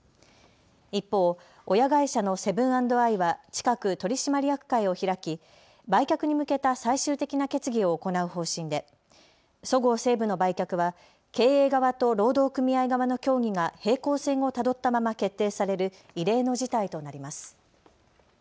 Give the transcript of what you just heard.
一方、親会社のセブン＆アイは近く取締役会を開き売却に向けた最終的な決議を行う方針でそごう・西武の売却は経営側と労働組合側の協議が平行線をたどったまま決定される異例の事態となります。